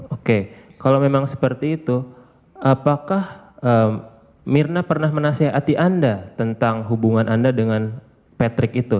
oke kalau memang seperti itu apakah mirna pernah menasehati anda tentang hubungan anda dengan patrick itu